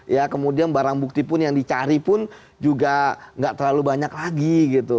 ya kemudian barang bukti pun yang dicari pun juga nggak terlalu banyak lagi gitu